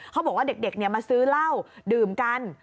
เขาบอกว่าเด็กมาซื้อเหล้าดื่มกัน